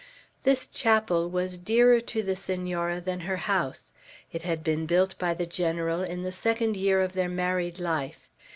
This chapel was dearer to the Senora than her house. It had been built by the General in the second year of their married life.